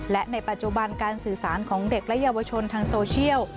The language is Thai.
และในปัจจุบันการสื่อสารของเด็กและเยาวชนทางโซเชียล